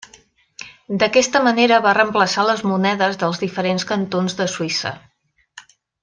D'aquesta manera va reemplaçar les monedes dels diferents cantons de Suïssa.